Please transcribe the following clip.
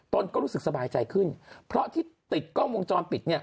ตนก็รู้สึกสบายใจขึ้นเพราะที่ติดกล้องวงจรปิดเนี่ย